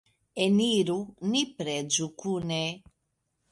Eniru, ni preĝu kune!